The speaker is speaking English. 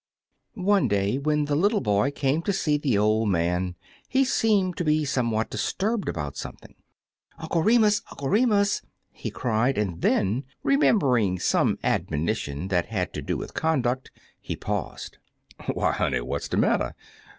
One day when the little boy came to see the old man, he seemed to be somewhat disturbed about something ^^ Uncle Remua — Uncle Remus!" he cried, and then, re membering some admonition that had to do with conduct, he paused. Why, hoaey, what*a de matter?